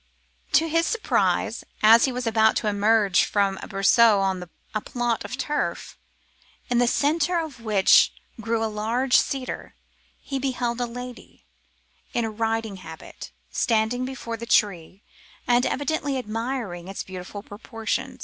To his surprise, as he was about to emerge from a berceau on to a plot of turf, in the centre of which grew a large cedar, he beheld a lady in a riding habit standing before the tree, and evidently admiring its beautiful proportions.